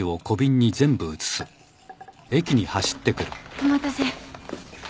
お待たせ。